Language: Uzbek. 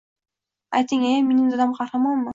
«Ayting, aya, mening dadam qahramonmi?